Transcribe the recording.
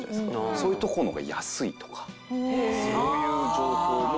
そういうとこの方が安いとかそういう情報も。